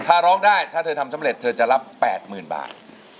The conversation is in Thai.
ถ้าร้องได้ถ้าเธอทำสำเร็จเธอจะรับ๘๐๐๐บาท